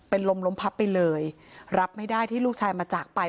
เป็นลมล้มพับไปเลยรับไม่ได้ที่ลูกชายมาจากไป